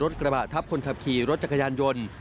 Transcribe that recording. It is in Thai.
กระบะทับคนขับขี่รถจักรยานยนต์